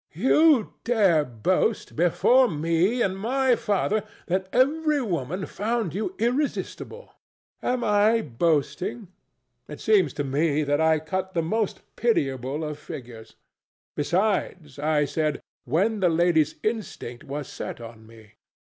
ANA. You dare boast, before me and my father, that every woman found you irresistible. DON JUAN. Am I boasting? It seems to me that I cut the most pitiable of figures. Besides, I said "when the lady's instinct was set on me."